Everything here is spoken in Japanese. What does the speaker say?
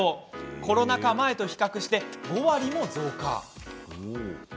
コロナ禍前と比較して５割も増加。